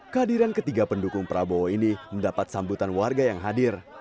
kehadiran ketiga pendukung prabowo ini mendapat sambutan warga yang hadir